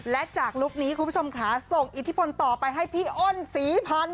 และจากลุคนี้คุณผู้ชมขาส่งอิทธิภัณฑ์ไปให้ครับพี่อ้อนศรีผัน